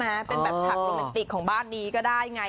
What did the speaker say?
เป็นแบบฉากโรแมนติกของบ้านนี้ก็ได้ไง